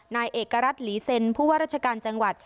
นายเอกรัฐหลีเซ็นผู้ว่าราชการจังหวัด